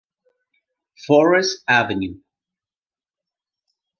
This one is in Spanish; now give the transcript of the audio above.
Forest, Av.